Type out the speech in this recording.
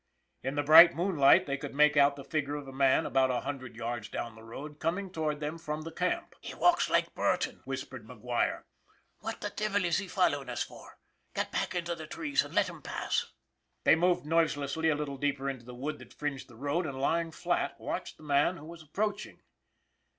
" In the bright moonlight they could make out the figure of a man about a hundred yards down the road coming toward them from the camp. " He walks like Burton," whispered McGuire. :< What the devil is he f ollowin' us for ? Get back into the trees and let him pass." They moved noiselessly a little deeper into the wood that fringed the road, and lying flat, watched the man who was approaching.